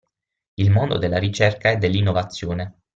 Il mondo della ricerca e dell'innovazione.